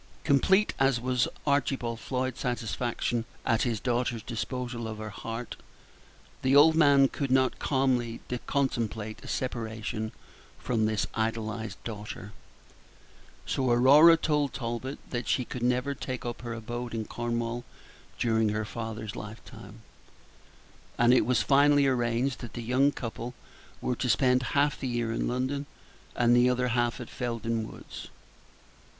Complete as was Archibald Floyd's satisfaction at his daughter's disposal of her heart, the old man could not calmly contemplate a separation from this idolized daughter; so Aurora told Talbot that she could never take up her abode in Cornwall during her father's lifetime; and it was finally arranged that the young couple were to spend half the year in London, and the other half at Felden Woods.